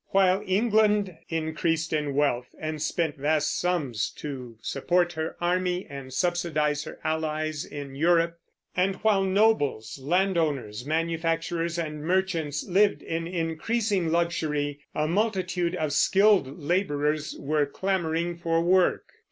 While England increased in wealth, and spent vast sums to support her army and subsidize her allies in Europe, and while nobles, landowners, manufacturers, and merchants lived in increasing luxury, a multitude of skilled laborers were clamoring for work.